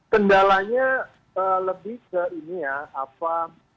kendalanya lebih ke ini ya apa